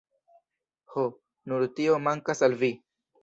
Ho, nur tio mankas al vi!